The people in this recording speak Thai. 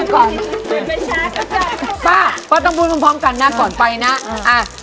ก่อนป่าป่าต้องพูดพร้อมพร้อมกันน่ะก่อนไปน่ะอ่ะ